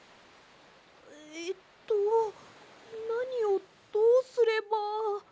えっとなにをどうすれば。